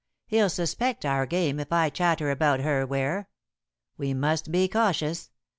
He'll suspect our game if I chatter about her, Ware. We must be cautious.